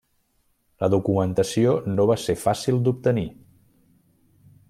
La documentació no va ser fàcil d'obtenir.